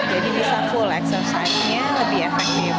jadi bisa full exercise nya lebih efektif